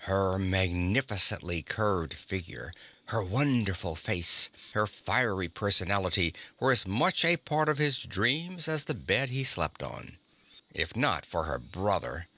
Her magnificently curved figure, her wonderful face, her fiery personality were as much a part of his dreams as the bed he slept on. If not for her brother